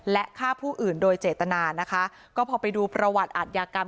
และฆ่าผู้อื่นโดยเจตนานะคะก็พอไปดูประวัติอาทยากรรม